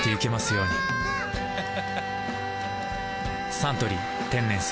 「サントリー天然水」